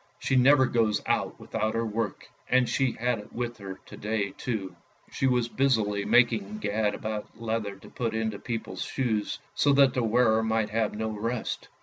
She never goes out without her work, and she had it with her to day too. She was busily making gad about leather to put into people's shoes, so that the wearer might have no rest.